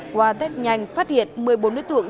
qua test nhanh phát hiện một mươi bốn đối tượng